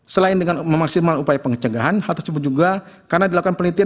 selain dengan memaksimal upaya pencegahan hal tersebut juga karena dilakukan penelitian